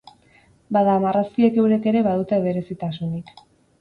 Bada, marrazkiek eurek ere badute berezitasunik.